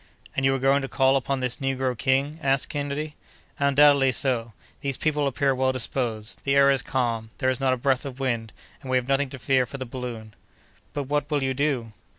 "And you are going to call upon this negro king?" asked Kennedy. "Undoubtedly so; these people appear well disposed; the air is calm; there is not a breath of wind, and we have nothing to fear for the balloon?" "But, what will you do?"